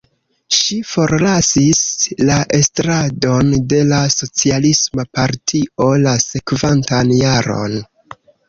Ŝi forlasis la estradon de la Socialisma Partio la sekvantan jaron.